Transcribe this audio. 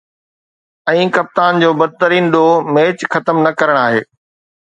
۽ ڪپتان جو بدترين ڏوهه“ ميچ ختم نه ڪرڻ آهي